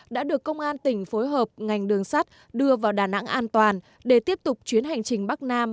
đã được công an tỉnh phối hợp ngành đường sắt đưa vào đà nẵng an toàn để tiếp tục chuyến hành trình bắc nam